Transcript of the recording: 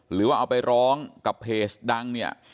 หรือว่าเอาไปร้องกับเพจดังเนี่ย